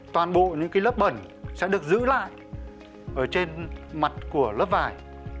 toàn bộ những lớp bẩn sẽ được giữ lại ở trên mặt của lớp vải